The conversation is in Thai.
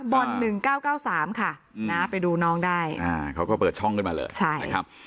บน๑๙๙๓ค่ะไปดูน้องได้เขาก็เปิดช่องขึ้นมาเลยใช่